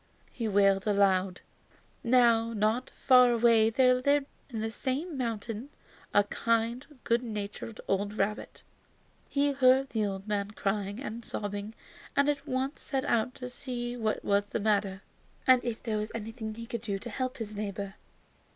he wailed aloud. Now, not far away there lived in the same mountain a kind, good natured old rabbit. He heard the old man crying and sobbing and at once set out to see what was the matter, and if there was anything he could do to help his neighbor.